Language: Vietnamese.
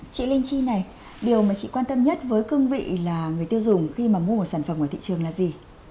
chị linh chi này điều mà chị quan tâm nhất với cương vị là người tiêu dùng khi mà mua một sản phẩm ở thị trường là gì